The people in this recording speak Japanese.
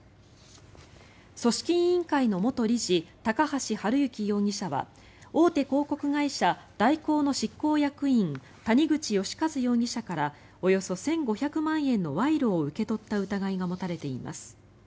組織委員会の元理事高橋治之容疑者は大手広告会社、大広の執行役員谷口義一容疑者からおよそ１５００万円の賄賂を受け取った疑いが持たれています。